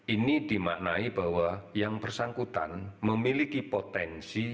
ini dimaknai bahwa yang bersangkutan memiliki potensi